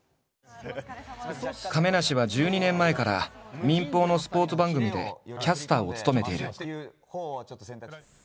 亀梨は１２年前から民放のスポーツ番組でキャスターを務めている。